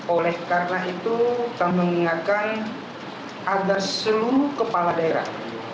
oleh karena itu kami mengingatkan agar seluruh kepala daerah